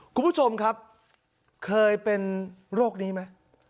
คุณผู้ชมครับเคยเป็นโรคนี้ไหม